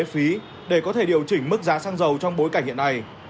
phí để có thể điều chỉnh mức giá xăng dầu trong bối cảnh hiện nay